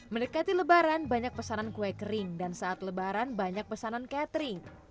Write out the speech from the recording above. mendekati lebaran banyak pesanan kue kering dan saat lebaran banyak pesanan catering